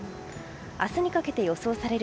明日にかけて予想される